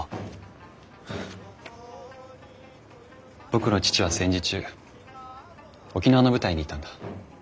僕の父は戦時中沖縄の部隊にいたんだ。